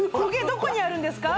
どこにあるんですか？